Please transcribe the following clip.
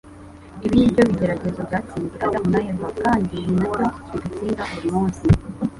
Ibi ni byo bigeragezo byatsinze Adamu na Eva, kandi ni nabyo bidutsinda buri munsi.